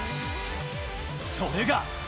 それが。